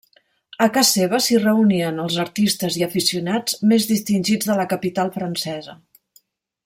A ca seva si reunien els artistes i aficionats més distingits de la capital francesa.